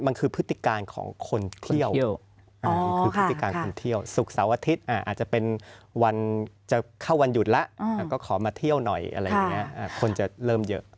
มันคือพฤติการของคนเที่ยวสุขเสาร์อาทิตย์อาจจะเป็นวันจะเข้าวันหยุดแล้วก็ขอมาเที่ยวหน่อยอะไรอย่างเนี่ยคนจะเริ่มเยอะ